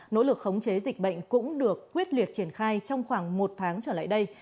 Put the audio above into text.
nỗ lực khống chế dịch bệnh cũng được quyết liệt triển khai trong khoảng một tháng trở lại đây